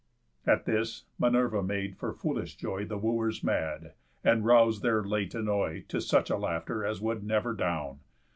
At this, Minerva made for foolish joy The Wooers mad, and rous'd their late annoy To such a laughter as would never down.